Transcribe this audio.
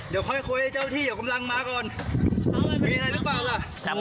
เดี๋ยวค่อยคุยให้เจ้าที่อยากกำลังมาก่อนฮ่าว่ายังเป็น